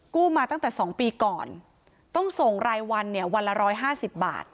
กู้มาตั้งแต่สองปีก่อนต้องส่งรายวันเนี่ยวันละร้อยห้าสิบบาท